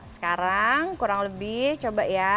sekarang kurang lebih coba ya